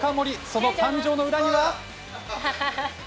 その誕生の裏には。